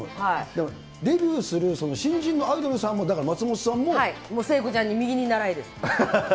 デビューする新人のアイドルさん聖子ちゃんの右にならえです。